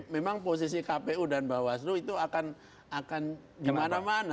memang posisi kpu dan bawaslu itu akan gimana mana